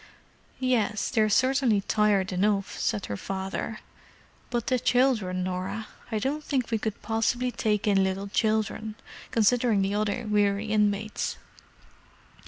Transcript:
"Yes, they're certainly tired enough," said her father. "But the children, Norah? I don't think we could possibly take in little children, considering the other weary inmates."